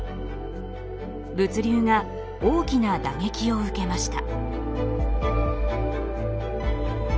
物流が大きな打撃を受けました。